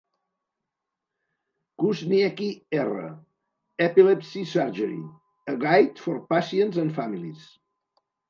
Kuzniecky R., "Epilepsy Surgery: A guide for Patients and Families".